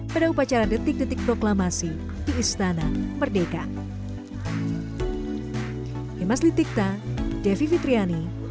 pada upacara detik detik proklamasi di istana merdeka